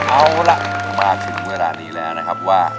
เอาล่ะมาถึงเวลานี้แล้วนะครับว่า